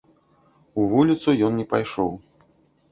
У вуліцу ён не пайшоў.